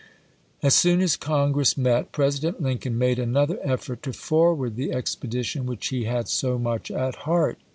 As soon as Congress met. President Lincoln made another effort to forward the expedition which he had so much at heart.